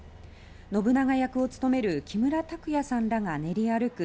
信長役を務める木村拓哉さんらが練り歩く